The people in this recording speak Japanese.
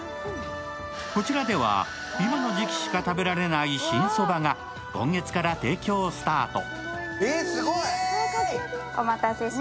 こちらでは今の時期しか食べられない新そばが今月から提供スタート。